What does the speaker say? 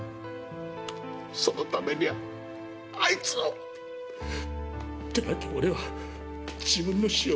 そのためにはあいつを。でなきゃ俺は自分の死を受け入れられない。